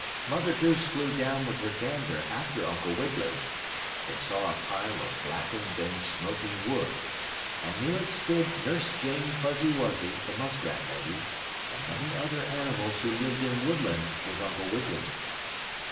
Mother Goose flew down with her gander after Uncle Wiggily. They saw a pile of blackened and smoking wood, and near it stood Nurse Jane Fuzzy Wuzzy, the muskrat lady, and many other animals who lived in Woodland with Uncle Wiggily.